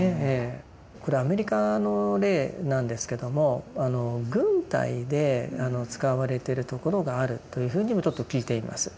これアメリカの例なんですけども軍隊で使われてるところがあるというふうにもちょっと聞いています。